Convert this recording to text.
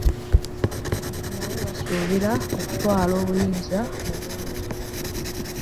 Nti naye basuubira okutwala obuyinza mu bwangu.